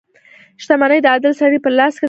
• شتمني د عادل سړي په لاس کې د برکت وسیله ده.